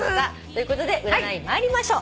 ということで占い参りましょう。